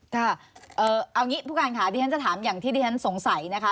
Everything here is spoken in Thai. ค่ะเอางี้ผู้การค่ะดิฉันจะถามอย่างที่ดิฉันสงสัยนะคะ